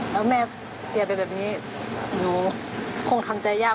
แล้วแม่เสียไปแบบนี้หนูคงทำใจยาก